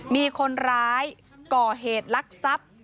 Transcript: มีคนร้ายก่อเหตุลักษัพ